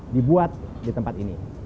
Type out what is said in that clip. dibuat di tempat ini